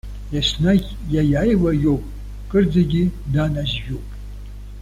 Еснагь иаиааиуа иоуп, кырӡагьы данажьҩуп.